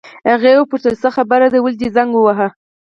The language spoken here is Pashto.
هغې وپوښتل: څه خبره ده، ولې دې زنګ وواهه؟